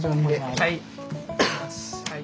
はい。